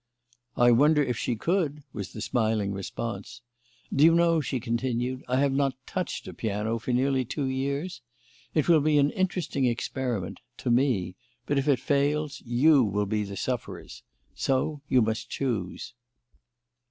"I wonder if she could?" was the smiling response. "Do you know," she continued, "I have not touched a piano for nearly two years? It will be quite an interesting experiment to me; but if it fails, you will be the sufferers. So you must choose."